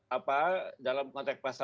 apa dalam konteks pasal lima puluh satu